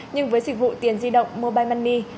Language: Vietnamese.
nhưng với dịch vụ tiền di động mobile money